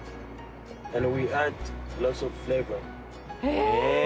え！